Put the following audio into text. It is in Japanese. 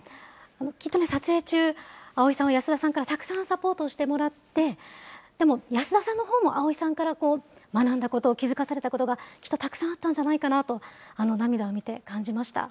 きっとね、撮影中、葵さんは安田さんからたくさんサポートをしてもらって、でも、安田さんのほうも葵さんから学んだこと、気付かされたことがきっとたくさんあったんじゃないかなと、あの涙を見て感じました。